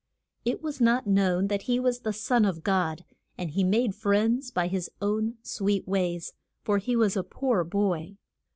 It was not known that he was the Son of God, and he made friends by his own sweet ways, for he was a poor boy.